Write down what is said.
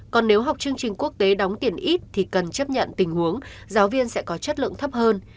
còn nếu học chương trình quốc tế đóng tiền ít thì cần chấp nhận tình huống giáo viên sẽ có chất lượng thấp hơn